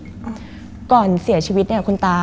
มันกลายเป็นรูปของคนที่กำลังขโมยคิ้วแล้วก็ร้องไห้อยู่